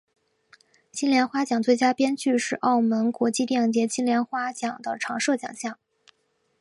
金莲花奖最佳编剧是澳门国际电影节金莲花奖的常设奖项。